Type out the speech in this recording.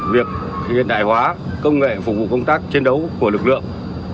việc hiện đại hóa công nghệ phục vụ công tác chiến đấu của lực lượng